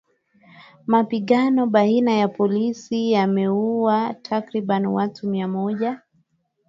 Mapigano baina ya polisi yameuwa takriban watu mia moja.